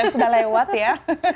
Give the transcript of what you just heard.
sudah lewat ya